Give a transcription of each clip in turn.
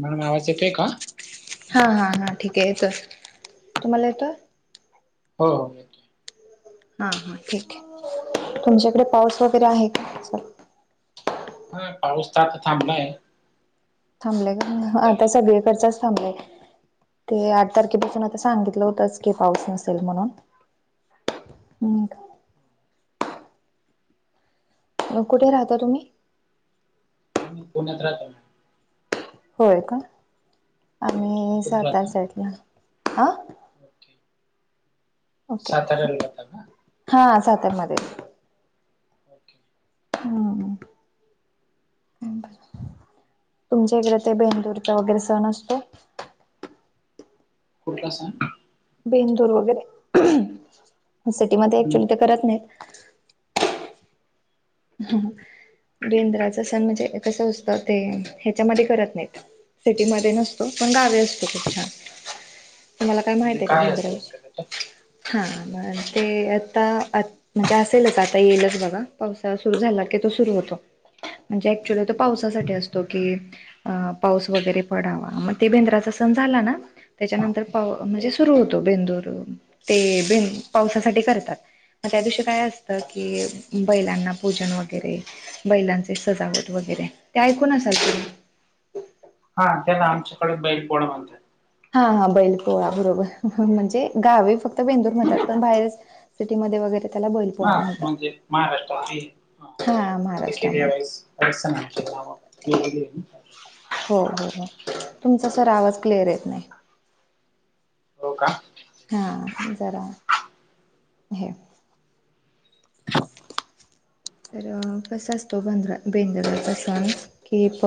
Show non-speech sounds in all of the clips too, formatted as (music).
म्हणून आवाज येतोय का? हा हा हा ठीकाय येत तुम्हाला येतं हो हो. हा हा ठीकये तुमच्याकड पाऊस वगैरे आहे का? हा पाऊस त आता थांबलाय. थांबलाय आता चालेल. हो सगळीकडचाच थांबलाय. ते आठ हो. तारखेपासून आता सांगितलं होतंच. ते पाऊस नसेल म्हणून हं मग कुठे राहता तुम्ही आम्ही पुण्यात राहतो ना होय का तुम्ही आम्ही कुठ सातार राहता? साईडला आ ओके. ओके साताऱ्याला राहता का? हा सातार मध्ये ओके. (unintelligible) तुमच्या इकडे ते बेंदूरचा वगैरे सण असतो. कोता सा. बेंदूर वगैरे सिटीमध्ये हम्म. क्च्युली ते करत नाहीत. ह बंद्राचा सण म्हणजे कसं असतं ते ह्याच्यामध्ये करत नाहीत. सिटीमध्ये नसतो पण गावी असतो खूप छान तुम्हाला काय माहित म्हणजे आहे का काय असतं भेंदराल. नेमकं त्याच्यात? हा ते आता म्हणजे असेलच आता येईलच बघा पाऊस झा तो सुर होत म्हणक्चुली त पावसासाठी असतो कि अ पाऊस वगैरे पडावा मग ते भेंद्राचा सण झाला ना त्याच्यानंतर प म्हणजे सुरू होतो बेंदूर ते बिनं पावसासाठी करतात मग त्या दिवशी काय असत अच्छा. की बैलांना भोजन वगैरे बैलांचे सजावट वगैरे ते ऐकून असाल तुम्ही हा त्याला आमच्याकड बैल पोळा म्हणत्यात. हा हा बैलपोळा बरोबर म्हणजे गावे फक्त बेंदूर म्हणतात पण बाहेरच सिटीमध्ये वगैरे त्याला हा बैलपोळा म्हणजे म्हणतात महाराष्ट्रात ते हा प्रत्येक (unintelligible) (unintelligible) हो हो हो तुमचा सर आवाज क्लिअर येत नाही. हो का. हा, जरा हे तर कस असतो बांधरा बेंदलपास कि प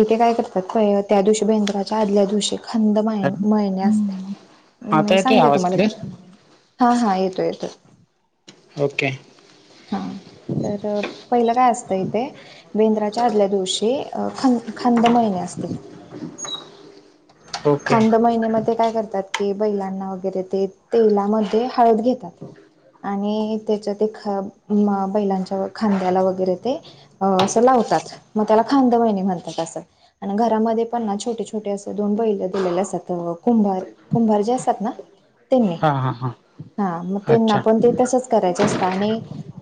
इथे काय करतात पय त्या दिवशी बेंद्राच्या आदल्या दिवशी खंद मा मळने असते आता मी येतोय सांगते आवाज तुम्हाला. क्लिअर? हा हा येतो येतोच. ओके. हा तर पहिलं काय असतं इथे. बेंद्राच्या आदल्या दिवशी अ खन खंदे महिने असते. ओके. खांद महिन्यामध्ये काय करतात? की बैलांना वगैरे ते तेलामध्ये हळद घेतात. आणि त्याच्या ते ख म बैलांच्या, खांद्याला वगैरे ते. अ असं लावतात, म त्याला खांद महिणी म्हणतात असं, आणि घरामध्ये पण ना छोटे, छोटे अस दोन बैल दिलेले असतात कुंभार, कुंभार जे असतात ना. त्यांनी हा हा हा. हा म त्यांना अच्छा. पण ते तसच करायचं असतं आणि.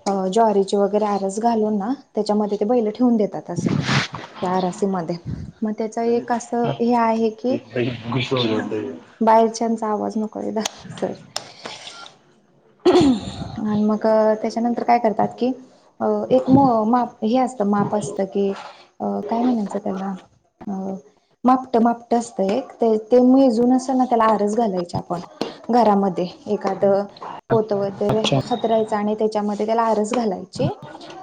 अ ज्वारीचे वगैरे आरस घालून ना, त्याच्यामध्ये ते बैल ठेवून देतात असं. त्या राशीमध्ये, म त्याच एक असं हे आहे. की (unintelligible) खुश हो अ जाते है बाहेरच्यांचा चा आवाज नको रे द सर. आणि म क त्याच्यानंतर काय करतात कि. अ एक म माप हे असतं माप असतं की अ काय म्हणायचं त्याला. अ. मापट, मापट, असतं एक ते ते मेजून अस ना त्याला आरस घालायची, आपण घरामध्ये. एखादं पोत वगैरे अच्छा हतरायचं, आणि त्याच्यामध्ये त्याला आरस घालायची.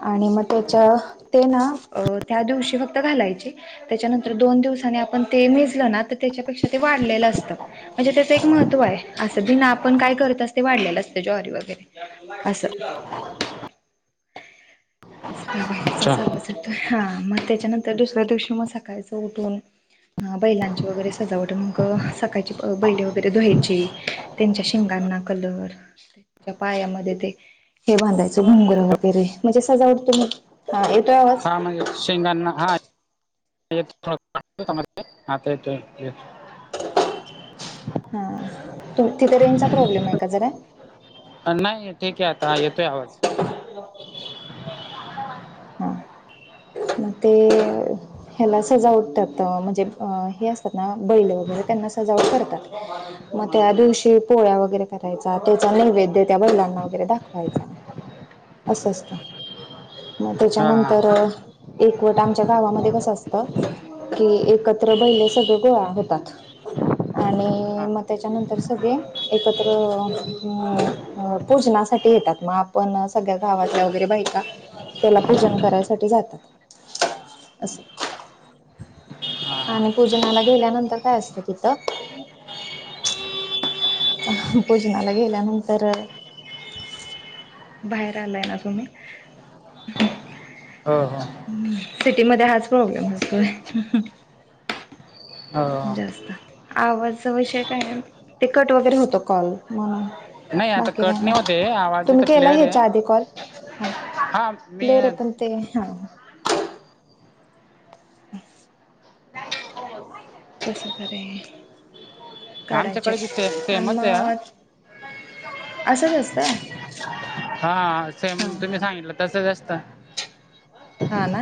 आणि मग त्याच्या ते ना अ त्या दिवशी फक्त घालायची. त्याच्यानंतर दोन दिवसांनी, आपण ते मिजलं ना त त्याच्यापेक्षा ते वाढलेलं असतं. म्हणजे त्याचं एक महत्त्व आहे, असं बिना आपण काय करताच ते वाढलेल असत. ते ज्वारी वगैरे अस. हा अच्छा बाहेरचाच आवाज येतोय, हा म त्याच्यानंतर दुसऱ्या दिवशी म सकाळच उठून. अ बैलांची वगैरे सजावट, मंग सकाळची बैले वगैरे धुवायची. त्यांच्या शिंगांना कलर. त्याच्या पायामध्ये ते हे बांधायचं घुंगरं वगैरे म्हणजे सजावटतो म. हा म्हणजे शिंगांना हा. (unintelligible) हात येतोय (inaudible) (inaudible) तु तिथे रेंजचा प्रॉब्लेम आहे का जरा. नाही ठीक हे आता येतोय आवाज. (unintelligible) डॉ हा म ते. ह्याला सजावटतात म्हणजे, हे असतात ना बैल वगैरे त्यांना सजावट करतात. म त्या दिवशी पोळ्या वगैरे करायचा, त्याचा नैवेद्य त्या बैलांना वगैरे दाखवायचा. अस असत म हा हा त्याच्यानंतर. एकवट आमच्या गावामध्ये कसं असतं. कि एकत्र बैले सगळ गोळा होतात, आणि हा म त्याच्यानंत तर सगळे एकत्र अ अ अ पूजनासाठी येतात, म आपण सगळ्या गावातल्या वगैरे बायका त्याला पूजन करायसाठी जातात. असं. हा, हा. आणि पूजनाला गेल्यानंतर काय असतं तिथं? हा पुजनाला गेल्यानंतर अ. बाहेर आलाय ना तुम्ही. हं हं! सिटीमध्ये हाच प्रॉब्लेम असतोय. हो जास्त आवाजचा विषय काय, ते कट वगैरे होतो कॉल म्हणून. नाही आता बाकी कट काय नाही होतय, आवाज तुम्ही इथं केला क्लिअर हे ह्याच्या हा मी. तेरीपण ते हा! (inaudible) कसं तर हे काडांचे आमच्याकडे बी सेम आणि सेमच मद. आहे असंच असतंय. हा सेम तुम्ही सांगितलं तसच असतं. हा ना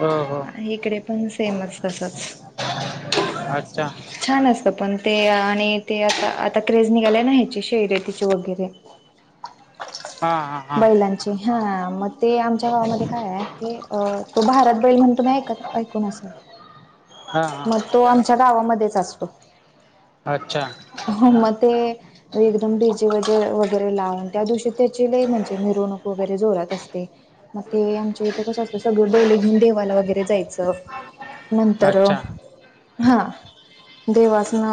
हो हो इकडे पण सेमच तस असतं. अच्छा. छान असत पण ते आणि ते आता आता क्रेज निघाले नाही ह्याची शैर्यतीची वगैरे. हा हा हा बैलांचे हा मग ते आमच्या गावामध्ये काय आहे. तो भारत बैल म्हण तुम्ही ऐक ऐकून असाल हा मग हा तो आमच्या गावामध्येच असतो अच्छा. हो म ते. एकदम डिजे व वगैरे लावून त्या दिवशी त्याची लय म्हणजे मिरवणूक वगैरे जोरत असते. मग ते आमचे इथे कसं असत सगळे बैले घेऊन देवाला वगैरे जायचं तर अच्छा हा देवासन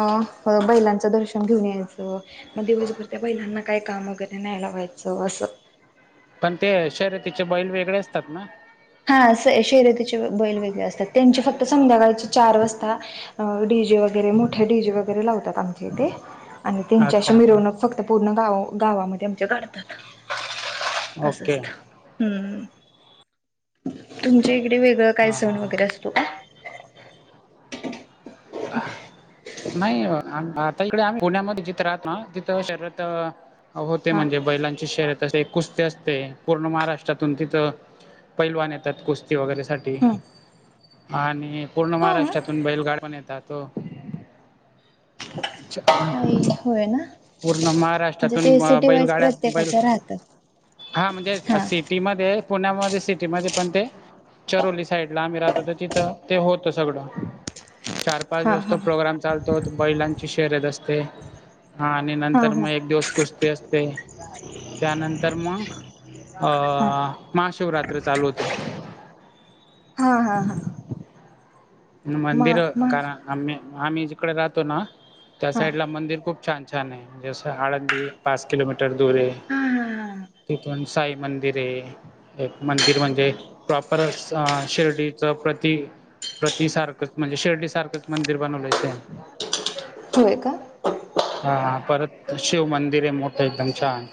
बैलांचं दर्शन घेऊन यायचं. मग दिवसभर त्या बैलांना काय काम वगैरे न्याय ला व्हायचं असं. पण ते शर्यतीचे बैल वेगळे असतात ना. हा स शर्यतीचे बैल वेगळे असतात त्यांचे फक्त संध्याकाळचे चार वाजता डीजे वगैरे मोठा डीजे वगैरे लावतात आमचे इथे आणि त्यांच्या अशी अच्छा मिरवणूक फक्त पूर्ण गाव गावामध्ये आमच्या काढतात. अस ओके असतं. हम. तुमच्या इकडे वेगळं काय सण हा. वगैरे असतो का. ह्म. नाही आता इकडे आम्ही पुण्यामध्ये जिथं राहतो ना तिथं शर्यतीत. अहो ते हा म्हणजे बैलांची शर्यत तसे कुस्ती असते पूर्ण महाराष्ट्रातून तिथं पैलवान येतात कुस्ती कुस्ती वगैरेसाठी हम्म आणि पूर्ण हा महाराष्ट्रातून बैलगाड पण येतात ओ. अ होय ना पूर्ण म्हणजे महाराष्ट्रातून ते सिटी वाईज बैलगाड्या बैल प्रत्येकाच्या राहतात हा म्हणजे हा सिटीमध्ये पुण्यामध्ये सिटीमध्ये पण ते चरोली साईड ला आम्ही राहतो तर तिथं ते होतं सगळं. चार पाच हा दिवस तो हा प्रोग्राम चालतो बैलांची शर्यत असते. हा आणि नंतर मग एक दिवस कुस्ती असते. का. त्यानंतर मग हा महाशिवरात्र चालू होते. हा हा हा. म मंदिर म कारण आम् आम्ही जिकडे राहतो ना त्या हा हा साईड ला मंदिर खूप छान छान आहेसं आळंदी पाच किलोमीटर दूर आहे हा हा तथण. साई मंदिर आहे एक मंदिर म्हणजे प्रॉपरस शिर्डीचं प्रति. प्रततीसारखंच म्हणजे शिर्डीसारखंच मंदिर बनवलंयच आहे सेम. ठीक आहे. होय का. हा परत शिव मंदिर आहे मोठं एकदम छान.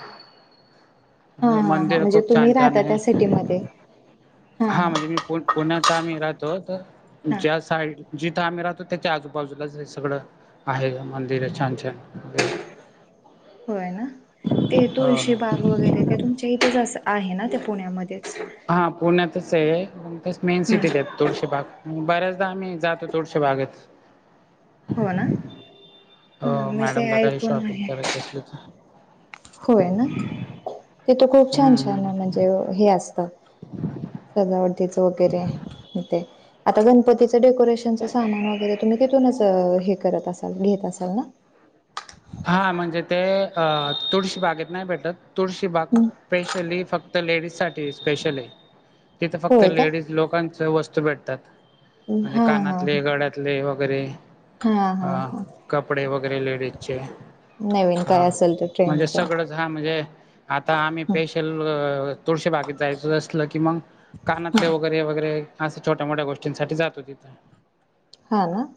हा म्हे हा हा मंदिर म्हणजे खूप तुम्ही छान छान राहता आहे त्या सिटीमध्ये हा म्हणजे मी. पु पुण्यात आमही राहतो तर हा ज्या साईड जिथं आम्ही राहतो त्याच्या आजूबाजूलाच आहे सगळं आहे मंदिर छान छान वगैरे होय ना ते हो तुळशी बाग वगैरे ते तुमच्या इथेच आहे ना ते पुण्यामध्येच हां पुण्यात तस आहे तस मेन सिटी ते हम्म आहेत. तुळशी भाग बऱ्याचदा आम्ही जातो तुळशीबागेत हो ना अ हा मी ते मॅडमला काही ऐकून शॉपीग आहे करायची असली तर होय ना तेथ खूप छान हम्म छान हम्म. म्हणजे हे असतं. सजावटीचा वैगरे होते आता गणपतीच. अता डेकोरेशनचं सामान वगैरे तुम्ही तिथूनच हे करत असाल घेत असाल ना. हा म्हणजे ते अ तुळशीबागेत नाही भेटत तुळशीबाग. हम्म स्पेशली फक्त लेडीज साठी स्पेशल आहे तिथं फक्त होय का लेडीज. लोकांच वस्तू भेटतात म्हणजे हा हा कानातले ह गड्यात. ले वगैरे हा अ हा हा कपडे वगैरे लेडीज चे नवीन काय हा असेल ते म्हणजे ट्रेनच सगळंच हा म्हणजे आता आम्ही स्पेशल तुळशी बागेत जायचं असल की मग. कानातले वगैरे वगैरे असे छोट्या मोठ्या गोष्टींसाठी जातो तिथं. हा ना.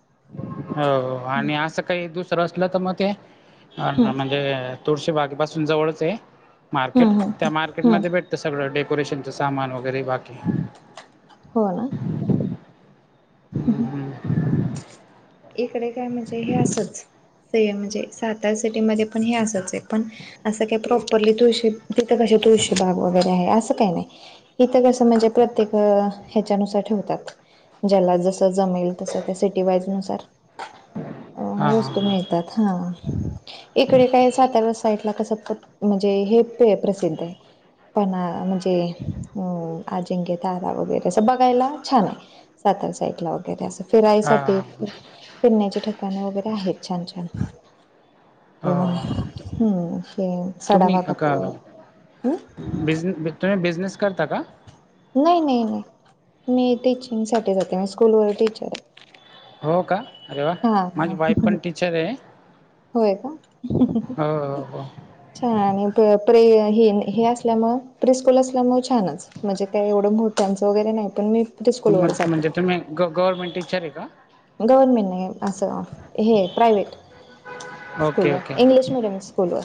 हाव आणि असं काही दुसरं असलं तर मग ते अ हम्म म्हणजे. तुळशी बागेपसून जवळच आहे मार्केट हम्म त्या हम्म मार्केट हम्म मध्ये भेटते ते सगळं डेकोरेशनचं सामान वगैरे बाकी. हो ना. हम्म हम् इकडे काय म्हणजे हे असच ते म्हणजे सातार सिटी मध्ये पण हे असच आहे पण. असं काय प्रॉपरली तुळशी तिथं कशी तुळशी बाग वगैरे आहे असं काही नाही. इथं कसं म्हणजे प्रत्येकी अ हयाच्यानुसार ठेवतात. ज्याला जसं जमेल तसं त्या सिटी वाईज नुसार. अ वस्तू हां मिळतात हा इकडे काय साता्या साईटला कस म्हणजे हे पेय प्रसिद्ध आहे. पण आ म्हणजे अ आजिंक्य तारा वगैरे असं बघायला छान आहे. साताऱ्या साईडला वगैरे असं फिराईसाठी. हां फिरण्याचे ठिकाणी वगैरे आहेत छान छान. होय हो हम्म हे सडावा कपूर हम. बिझने तुम्ही बिझनेस करता का. नाही नाही नाही मी टीचिंगसाठी जाते मी स्कूलवर टीचर आहे. हो का अरे वा हा माझी हा वाईफ पण टीचर आहे. होय का हो (unintelligible) हो हो छान आणि प्रे हे असल्यामुळे प्रीस्कूल असल्यामुळे छानच. म्हणजे काय एवढं भुताच वगैरे नाही पण मी. प्रिस्कूलवर मग जाते. म्हणजे तुम्ही ग गव्हर्नमेंट टीचर आहे का. गव्हर्नमेंट नाही असं. हे प्रायव्हेट ओके ओके स्कूलवर इंग्लिश मिडियम स्कूलवर.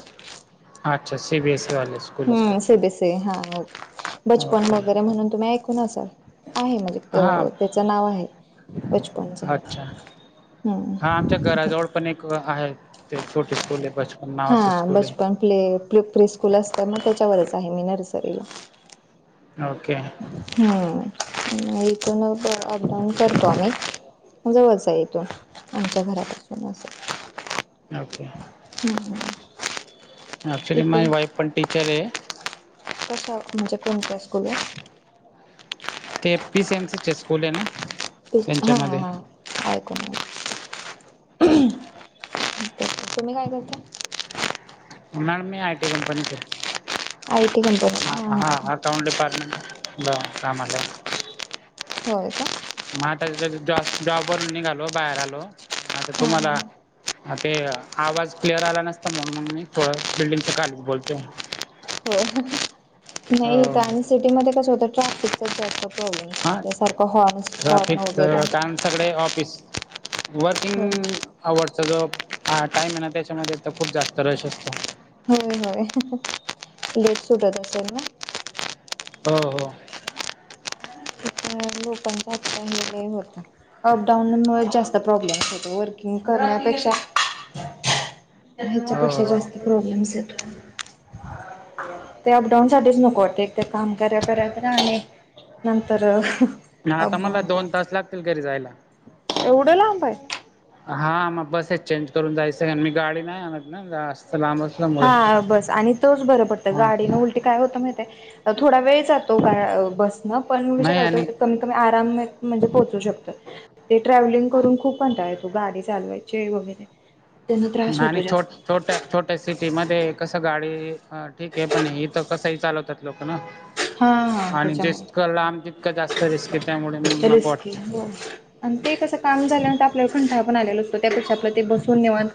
अच्छा सी बी एसी वाले स्कूल. हम्म असतात ते सीबीएससी हा बचपन ओके वगैरे म्हणून तुम्ही ऐकून असाल आहे मजे हां तेव्हा त्याच नाव आहे बचपनच. हम्म हा आमच्या घराजवळ पण एक आहे ते छोटे स्कूल बचप हा बचपन प्ले प्री स्कूल असतं मग त्याच्यावरच आहे मी नर्सरीला. ओके. (unintelligible) अपडाऊन कर स्ॉमी जवच आहे इथून आमच्या घरापासून. ओके. हम्म हम. ॲक्च्युली माझी वाईफ पण टीचर आहे. कशा म्हणजे कोणत्या स्कूलवर. ते पी सीएम सीचे स्कूल हैना. ते हा हा. ऐक म (unintelligible) तुम्ही काय करता मॅडम मी I T company I T हाय कंपनी हा हां हां हा. हां अकाउंट डिपार्टमेंटला कामालाय होय का? म आता जॉस जॉबवरून निघालो बाहेर आलो, आता हां तुम्हाला हां आ ते आवाज क्लिअर आला नसता म्हणून म मी थोडं बिल्डिंगच खालीच बोलतो. व्हय नाइ त्या सिटीमध्ये कसं होतं ट्रॅफिकच जास्त होत हा तेसारखं हॉर्नस हॉर्न ट्राफिकच वगरे कारण सगळे ऑफिस हो वर्किंग आवडचा जॉब टाइम हाय ना तेच्यामध्ये तर खूप जास्त रश असतो. होय होय लेट सुटत असेल ना. हो हो‌. तिथं लोकांचा हक्ता (unintelligible) अपडाऊन मुळ जास्त प्रॉब्लेम्स होतो वर्किंग करण्यापेक्षा हेच्यापेक्षा हो जास्त हो प्रॉब्लेम्स येतो. ते अपडाऊन साठीच नको वाटतंय एक ते काम करा करा करा आणि नंतर ना आता मला अपडाऊन दोन करायचं. तास लागतील घरी जायला. एवढं लांबय हा म बसेच चेंज करून जायचं मी गाडी नाइ आणत ना आसं (inaudible) हा बस आणि तोच बर पडत हा गाडीनं उल काय होत माहित्याय थोडा वेळ जातो का बस म पण विषय नाही काय आणि होतो कमी कमी आराम म्हणजे पोहोचू शकतो ते ट्रॅव्हलिंग करून खूप कंटाळा येतो गाडी चालवायची वगरे आणि छोट छोट्या छोट्या सिटीमध्ये कसं गाडी ठीकेय पण इथ कसं हि चालवत्यात लोक ना हा हा आणि जिसक त्याच्यामुळे लांब तितकं जास्त रिस्क त्यामुळे नको रिस्की वाटतं. हो आणि ते कसं काम झाल्यानंतर आपल्याला खंटाळा पण आलेला असतो त्यापेक्षा आपलं ते बसून निवांत